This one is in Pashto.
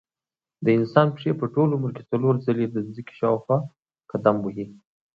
د انسان پښې په ټول عمر کې څلور ځلې د ځمکې شاوخوا قدم وهي.